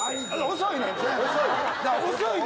遅いねんて！